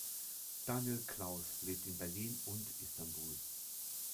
Daniel Klaus lebt in Berlin und Istanbul.